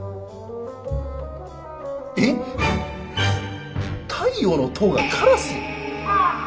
え⁉「太陽の塔」がカラス⁉